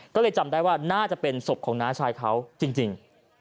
ก็เลยจำได้ว่าน่าจะเป็นศพของน้าชายเขาจริง